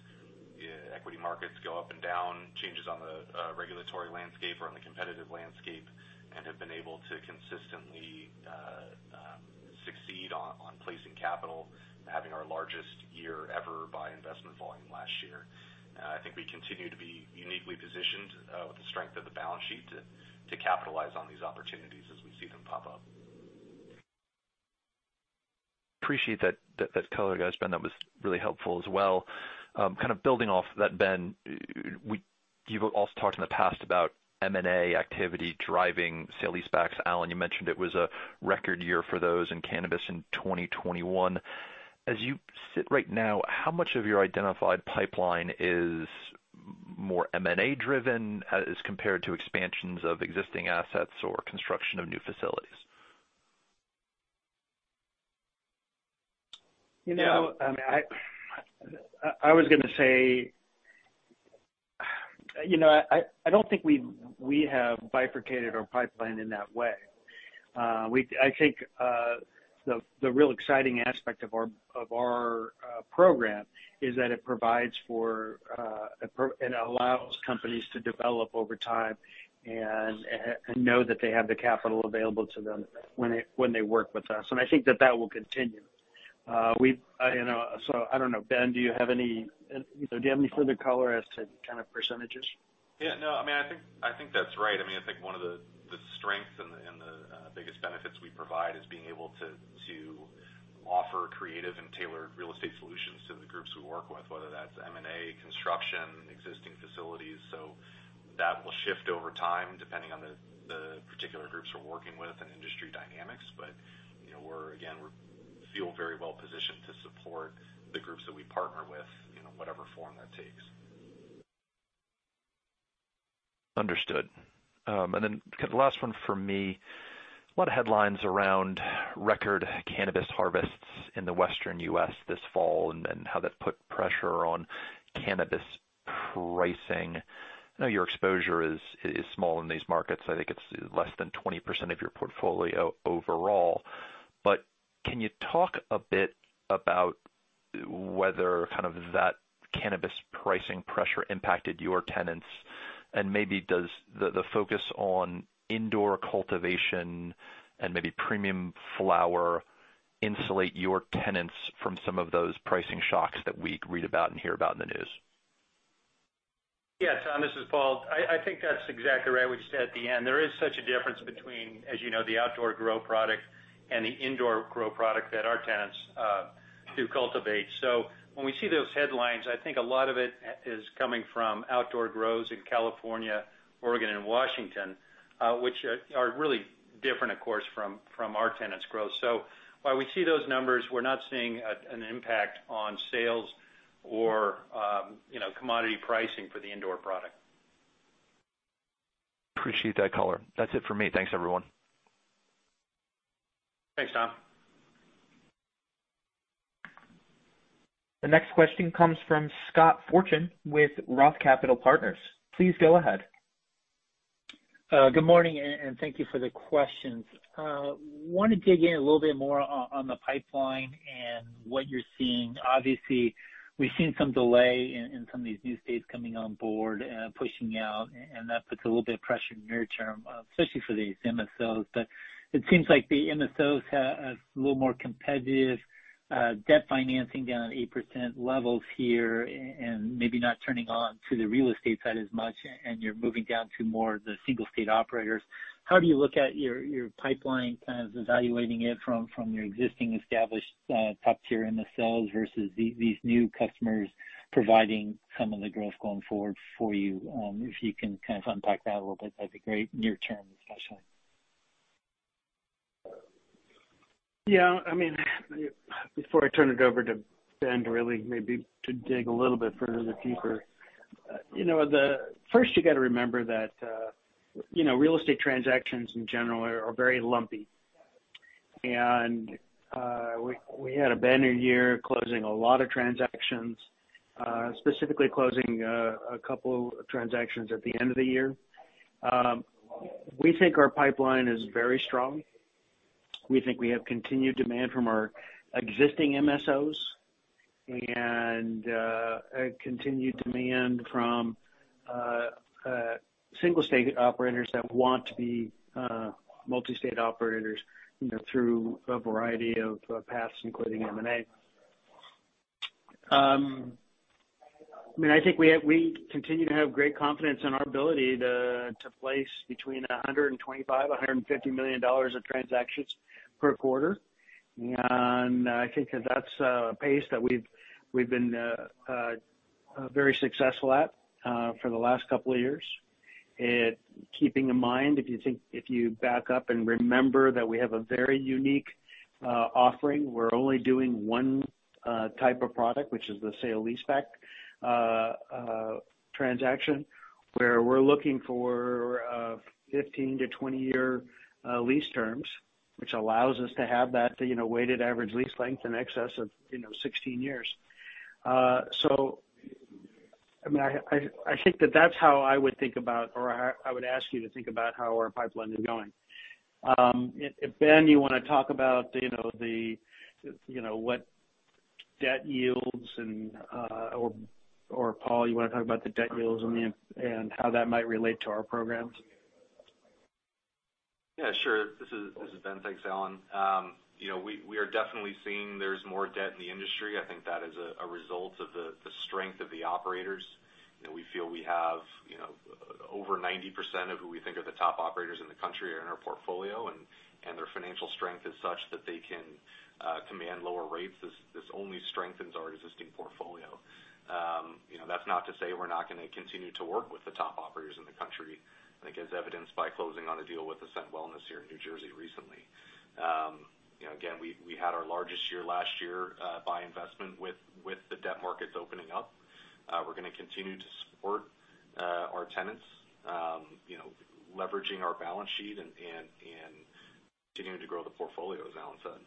E: equity markets go up and down, changes on the regulatory landscape or on the competitive landscape, and have been able to consistently succeed on placing capital, having our largest year ever by investment volume last year. I think we continue to be uniquely positioned with the strength of the balance sheet to capitalize on these opportunities as we see them pop up.
G: Appreciate that color, guys. Ben, that was really helpful as well. Kind of building off that, Ben, you've also talked in the past about M&A activity driving sale-leasebacks. Alan, you mentioned it was a record year for those in cannabis in 2021. As you sit right now, how much of your identified pipeline is more M&A driven as compared to expansions of existing assets or construction of new facilities?
C: I was gonna say, you know, I don't think we have bifurcated our pipeline in that way. I think the real exciting aspect of our program is that it allows companies to develop over time and know that they have the capital available to them when they work with us. I think that will continue. I don't know. Ben, do you have any further color as to kind of percentages?
E: Yeah, no. I mean, I think that's right. I mean, I think one of the strengths and the biggest benefits we provide is being able to offer creative and tailored real estate solutions to the groups we work with, whether that's M&A, construction, existing facilities. That will shift over time depending on the particular groups we're working with and industry dynamics. You know, we're again we feel very well positioned to support the groups that we partner with, you know, whatever form that takes.
G: Understood. Kind of last one from me. A lot of headlines around record cannabis harvests in the Western U.S. this fall and how that put pressure on cannabis pricing. I know your exposure is small in these markets. I think it's less than 20% of your portfolio overall. Can you talk a bit about whether kind of that cannabis pricing pressure impacted your tenants? Maybe does the focus on indoor cultivation and maybe premium flower insulate your tenants from some of those pricing shocks that we read about and hear about in the news?
D: Yeah, Tom, this is Paul. I think that's exactly right. We just said at the end, there is such a difference between, as you know, the outdoor grow product and the indoor grow product that our tenants do cultivate. When we see those headlines, I think a lot of it is coming from outdoor grows in California, Oregon, and Washington, which are really different, of course, from our tenants' growth. While we see those numbers, we're not seeing an impact on sales or, you know, commodity pricing for the indoor product.
G: Appreciate that color. That's it for me. Thanks, everyone.
D: Thanks, Tom.
A: The next question comes from Scott Fortune with Roth Capital Partners. Please go ahead.
H: Good morning and thank you for the questions. Wanna dig in a little bit more on the pipeline and what you're seeing. Obviously, we've seen some delay in some of these new states coming on board, pushing out, and that puts a little bit of pressure near term, especially for these MSOs. It seems like the MSOs have a little more competitive debt financing down at 8% levels here and maybe not turning on to the real estate side as much, and you're moving down to more of the single state operators. How do you look at your pipeline, kind of evaluating it from your existing established top tier MSOs versus these new customers providing some of the growth going forward for you? If you can kind of unpack that a little bit, that'd be great, near term especially.
C: Yeah. I mean, before I turn it over to Ben, really maybe to dig a little bit further deeper. You know, first you gotta remember that, you know, real estate transactions in general are very lumpy. We had a banner year closing a lot of transactions, specifically closing a couple of transactions at the end of the year. We think our pipeline is very strong. We think we have continued demand from our existing MSOs and a continued demand from single state operators that want to be multi-state operators, you know, through a variety of paths, including M&A. I mean, I think we continue to have great confidence in our ability to place between $125 million and $150 million of transactions per quarter. I think that's a pace that we've been very successful at for the last couple of years. Keeping in mind, if you back up and remember that we have a very unique offering. We're only doing one type of product, which is the sale-leaseback transaction, where we're looking for 15-20-year lease terms, which allows us to have that, you know, weighted average lease length in excess of, you know, 16 years. I mean, I think that's how I would think about or I would ask you to think about how our pipeline is going. If Ben, you wanna talk about, you know, the, you know, what debt yields and or Paul, you wanna talk about the debt yields and how that might relate to our programs?
E: Yeah, sure. This is Ben. Thanks, Alan. You know, we are definitely seeing there's more debt in the industry. I think that is a result of the strength of the operators. You know, we feel we have over 90% of who we think are the top operators in the country in our portfolio, and their financial strength is such that they can command lower rates. This only strengthens our existing portfolio. You know, that's not to say we're not gonna continue to work with the top operators in the country. I think as evidenced by closing on a deal with Ascend Wellness here in New Jersey recently. You know, again, we had our largest year last year by investment with the debt markets opening up. We're gonna continue to support our tenants, you know, leveraging our balance sheet and continuing to grow the portfolio, as Alan said.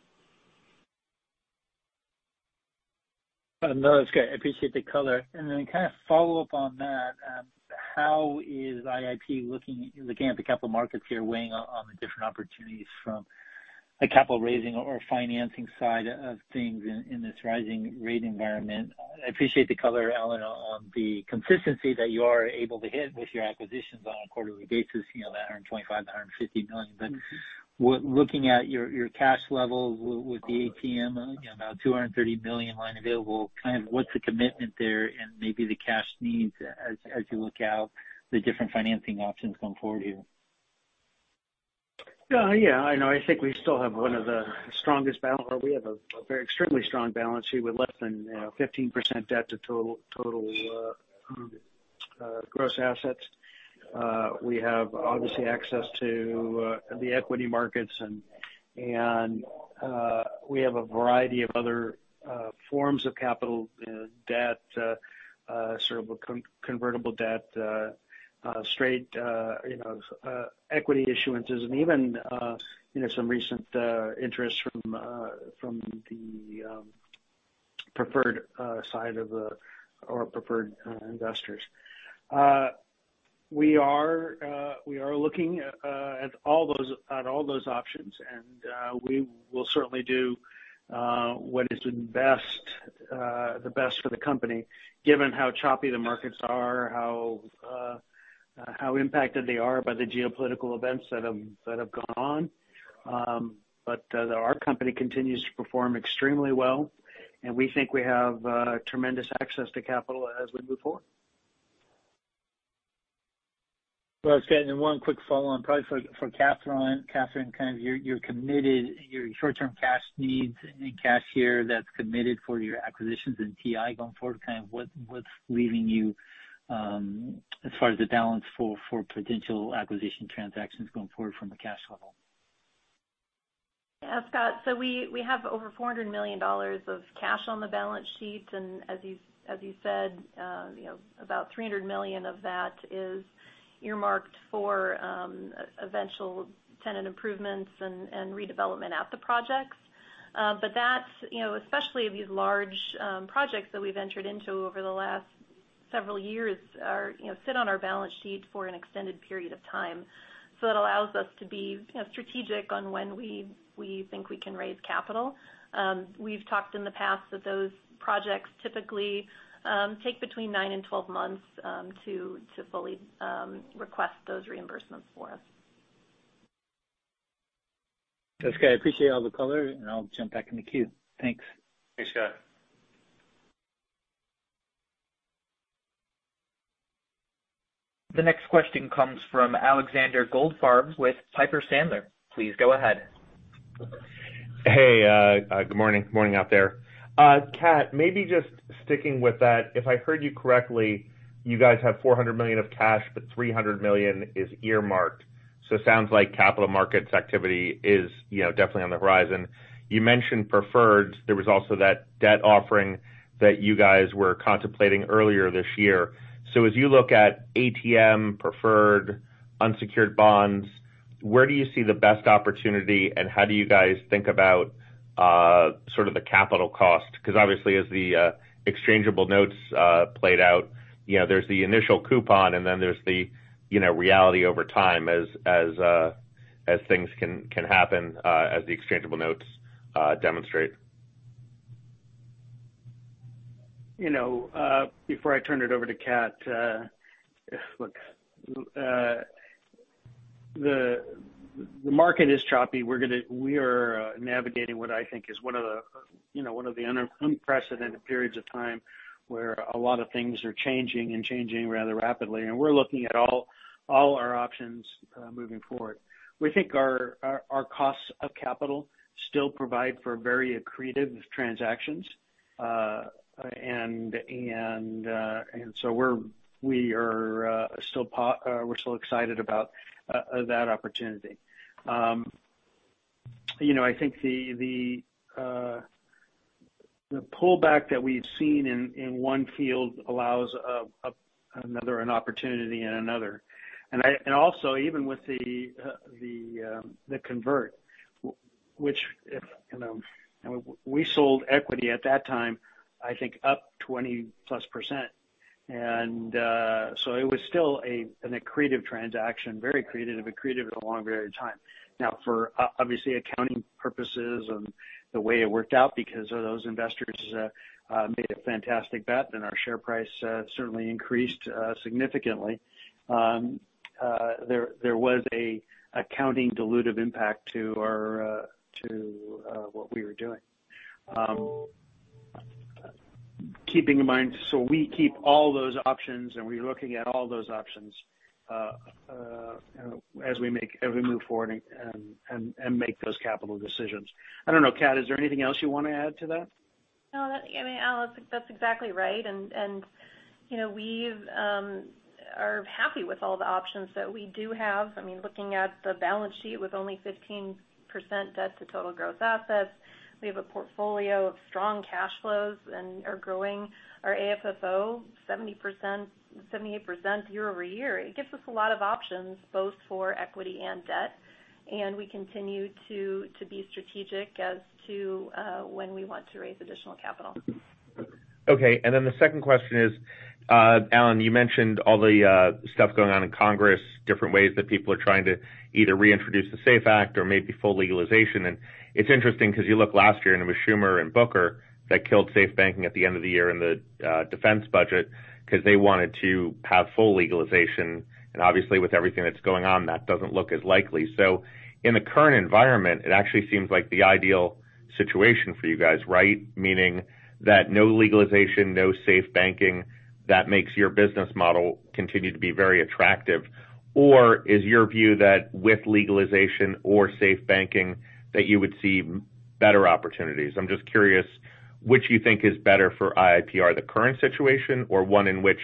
H: No, that's great. I appreciate the color. Then kind of follow up on that, how is IIP looking at the capital markets here, weighing on the different opportunities from a capital raising or financing side of things in this rising rate environment? I appreciate the color, Alan, on the consistency that you are able to hit with your acquisitions on a quarterly basis, you know, the $125 million-$150 million. Looking at your cash level with the ATM, you know, about $230 million line available, kind of what's the commitment there and maybe the cash needs as you look out the different financing options going forward here?
C: Yeah. I know. I think we still have one of the strongest balance sheets or we have a very extremely strong balance sheet with less than, you know, 15% debt to total gross assets. We have obviously access to the equity markets and we have a variety of other forms of capital, debt, sort of a convertible debt, straight equity issuances and even some recent interest from the preferred investors. We are looking at all those options, and we will certainly do what is the best for the company, given how choppy the markets are, how impacted they are by the geopolitical events that have gone on. Our company continues to perform extremely well, and we think we have tremendous access to capital as we move forward.
H: Well, Scott, and then one quick follow-on probably for Catherine. Catherine, kind of you're committed your short-term cash needs and cash here that's committed for your acquisitions and TI going forward, kind of what's leaving you as far as the balance for potential acquisition transactions going forward from a cash level?
F: Yeah, Scott. We have over $400 million of cash on the balance sheet, and as you said, you know, about $300 million of that is earmarked for eventual tenant improvements and redevelopment at the projects. But that's, you know, especially these large projects that we've entered into over the last several years are, you know, sit on our balance sheet for an extended period of time. It allows us to be, you know, strategic on when we think we can raise capital. We've talked in the past that those projects typically take between nine and 12 months to fully request those reimbursements for us.
H: That's okay. I appreciate all the color, and I'll jump back in the queue. Thanks.
C: Thanks, Scott.
A: The next question comes from Alexander Goldfarb with Piper Sandler. Please go ahead.
I: Hey, good morning. Good morning out there. Cat, maybe just sticking with that. If I heard you correctly, you guys have $400 million of cash, but $300 million is earmarked. It sounds like capital markets activity is, you know, definitely on the horizon. You mentioned preferreds. There was also that debt offering that you guys were contemplating earlier this year. As you look at ATM, preferred, unsecured bonds, where do you see the best opportunity, and how do you guys think about, sort of the capital cost? Because obviously, as the exchangeable notes played out, you know, there's the initial coupon, and then there's the, you know, reality over time as things can happen, as the exchangeable notes demonstrate.
C: You know, before I turn it over to Cat, look, the market is choppy. We are navigating what I think is one of the unprecedented periods of time where a lot of things are changing rather rapidly. We're looking at all our options moving forward. We think our costs of capital still provide for very accretive transactions. We're still excited about that opportunity. You know, I think the pullback that we've seen in one field allows another opportunity in another. Also, even with the convert, which if you know, we sold equity at that time, I think up 20%+. It was still an accretive transaction, very accretive. It was accretive at a long period of time. Now, for obviously accounting purposes and the way it worked out because of those investors made a fantastic bet and our share price certainly increased significantly. There was an accounting dilutive impact to what we were doing. Keeping in mind, we keep all those options, and we're looking at all those options, you know, as we move forward and make those capital decisions. I don't know, Cat, is there anything else you wanna add to that?
F: No, I mean, Alan, that's exactly right. You know, we are happy with all the options that we do have. I mean, looking at the balance sheet with only 15% debt to total gross assets, we have a portfolio of strong cash flows and are growing our AFFO 70%-78% year-over-year. It gives us a lot of options, both for equity and debt, and we continue to be strategic as to when we want to raise additional capital.
I: Okay. The second question is, Alan, you mentioned all the stuff going on in Congress, different ways that people are trying to either reintroduce the SAFE Banking Act or maybe full legalization. It's interesting because you look last year, and it was Schumer and Booker that killed safe banking at the end of the year in the defense budget because they wanted to have full legalization. Obviously, with everything that's going on, that doesn't look as likely. In the current environment, it actually seems like the ideal situation for you guys, right? Meaning that no legalization, no safe banking, that makes your business model continue to be very attractive. Is your view that with legalization or safe banking that you would see better opportunities? I'm just curious which you think is better for IIPR, the current situation or one in which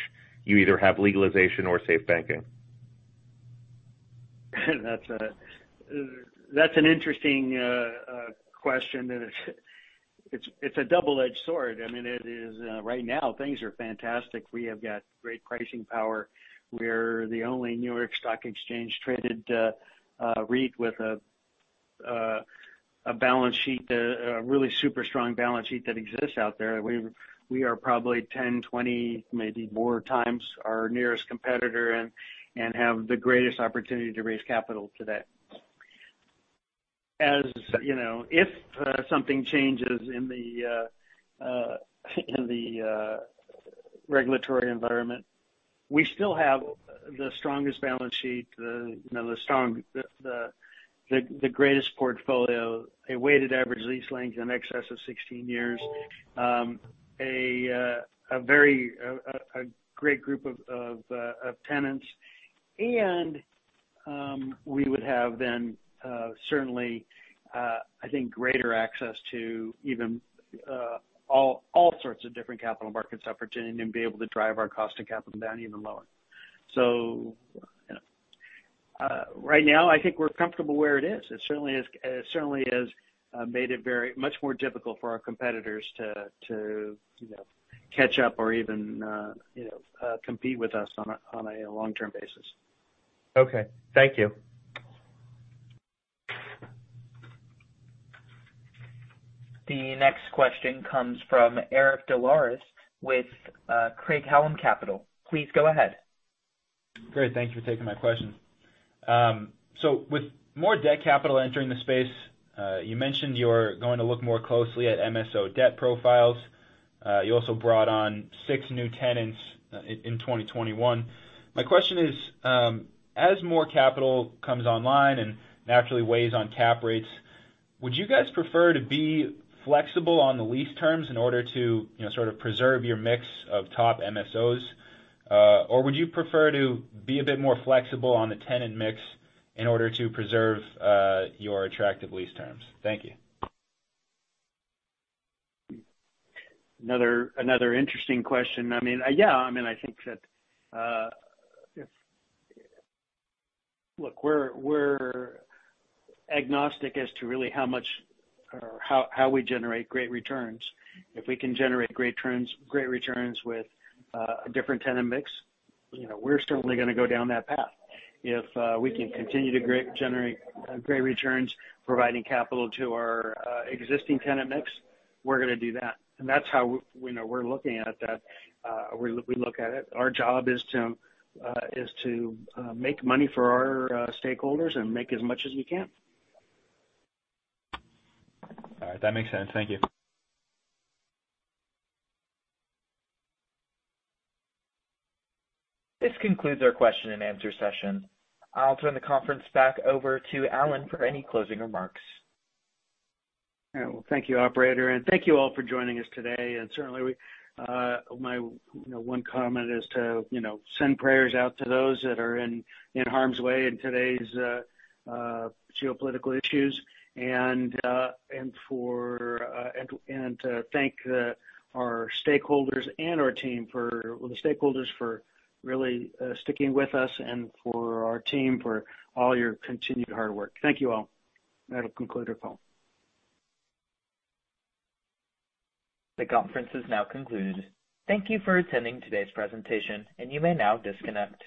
I: you either have legalization or safe banking?
C: That's an interesting question, and it's a double-edged sword. I mean, it is right now things are fantastic. We have got great pricing power. We're the only New York Stock Exchange traded REIT with a really super strong balance sheet that exists out there. We're probably 10, 20, maybe more times our nearest competitor and have the greatest opportunity to raise capital today. As you know, if something changes in the regulatory environment, we still have the strongest balance sheet, you know, the greatest portfolio, a weighted average lease length in excess of 16 years, a great group of tenants. We would have then certainly, I think, greater access to even all sorts of different capital markets opportunity and be able to drive our cost of capital down even lower. Right now, I think we're comfortable where it is. It certainly is. It certainly has made it very much more difficult for our competitors to, you know, catch up or even, you know, compete with us on a long-term basis.
I: Okay. Thank you.
A: The next question comes from Eric Des Lauriers with Craig-Hallum Capital. Please go ahead.
J: Great. Thank you for taking my question. So with more debt capital entering the space, you mentioned you're going to look more closely at MSO debt profiles. You also brought on six new tenants in 2021. My question is, as more capital comes online and naturally weighs on cap rates, would you guys prefer to be flexible on the lease terms in order to, you know, sort of preserve your mix of top MSOs? Or would you prefer to be a bit more flexible on the tenant mix in order to preserve your attractive lease terms? Thank you.
C: Another interesting question. I mean, yeah, I mean, I think that. Look, we're agnostic as to really how much or how we generate great returns. If we can generate great returns with a different tenant mix, you know, we're certainly gonna go down that path. If we can continue to generate great returns providing capital to our existing tenant mix, we're gonna do that. That's how we, you know, we're looking at that, we look at it. Our job is to make money for our stakeholders and make as much as we can.
J: All right. That makes sense. Thank you.
A: This concludes our question and answer session. I'll turn the conference back over to Alan for any closing remarks.
C: Yeah. Well, thank you, operator, and thank you all for joining us today. Certainly, my one comment is to send prayers out to those that are in harm's way in today's geopolitical issues and to thank our stakeholders and our team. Well, the stakeholders for really sticking with us and for our team for all your continued hard work. Thank you all. That'll conclude our call.
A: The conference is now concluded. Thank you for attending today's presentation, and you may now disconnect.